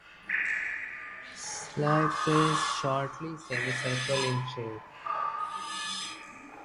Clypeus shortly semicircular in shape.